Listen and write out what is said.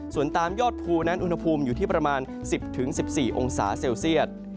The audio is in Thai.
ส่วนตามยอดภูนั้นอุณหภูมิอยู่ที่ประมาณ๑๐๑๔องศาเซลเซียต